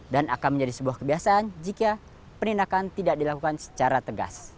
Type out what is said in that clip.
dan akan menjadi sebuah kebiasaan jika penindakan tidak dilakukan secara tegas